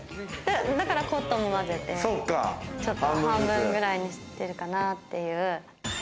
だからコットンも混ぜて、ちょっと半分ぐらいにしてるかなぁっていう。